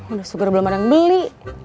udah sugar belum ada yang beli